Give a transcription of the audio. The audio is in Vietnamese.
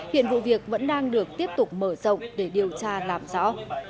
hiện vụ việc vẫn đang được tiếp tục mở rộng để điều tra làm rõ